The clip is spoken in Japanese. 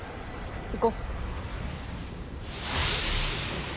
行こう。